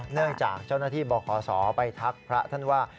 เนื่องจากเจ้าหน้าที่บขศไปทักพระท่านว่า